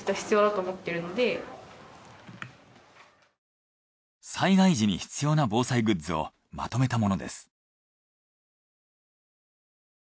結構私は災害時に必要な防災グッズをまとめたものです。